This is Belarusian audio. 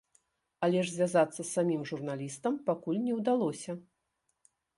Але ж звязацца з самім журналістам пакуль не ўдалося.